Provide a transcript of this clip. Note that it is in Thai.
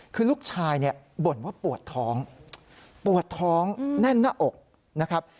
คือลูกชายเนี่ยบ่นว่าปวดท้องปวดท้องแน่นหน้าอกนะครับ